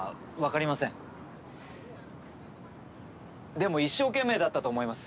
でも一生懸命だったと思います。